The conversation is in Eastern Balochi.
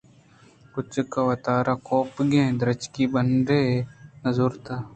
کُچک ءَوتارا کوٛاپگیں درٛچکی بُنڈے ءَنزّ آئورت